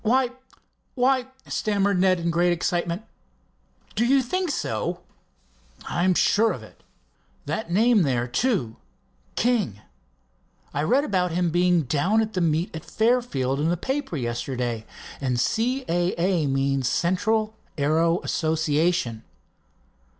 "Why—why—" stammered Ned in great excitement. "Do you think so?" "I am sure of it. That name there, too—'King'. I read about him being down at the meet at Fairfield in a paper yesterday, and 'C. A. A.' means Central Aero Association."